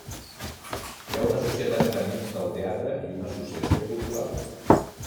Hi ha una societat d'amics del teatre i una associació cultural.